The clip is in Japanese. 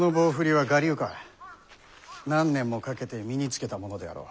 何年もかけて身につけたものであろう。